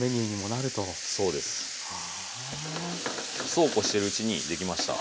そうこうしてるうちにできました。